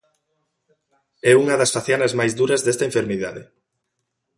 É unha das facianas máis duras desta enfermidade.